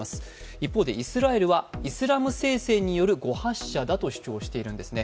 一方でイスラエルはイスラム聖戦による誤発射だと主張しているんですね。